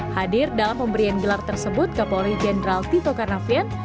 hadir dalam memberikan gelar tersebut ke polri jendral tito karnavian